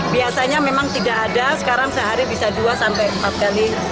biasanya memang tidak ada sekarang sehari bisa dua sampai empat kali